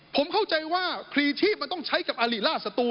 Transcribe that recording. ผมเข้าใจว่าครีชีพมันต้องใช้กับอลิล่าสตู